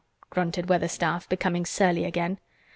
grunted Weatherstaff, becoming surly again.